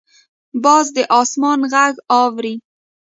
باز د اسمان غږ اوري